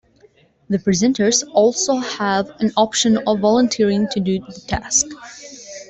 The presenters also have an option of volunteering to do the task.